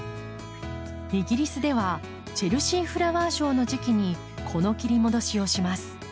イギリスではチェルシーフラワーショーの時期にこの切り戻しをします。